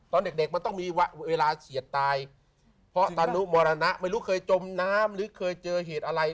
ตอนเด็กเด็กมันต้องมีเวลาเฉียดตายเพราะตานุมรณะไม่รู้เคยจมน้ำหรือเคยเจอเหตุอะไร